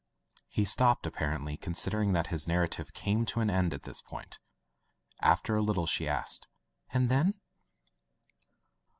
He stopped, apparendy considering that his narrative came to an end at this point. After a little she asked: "And then?''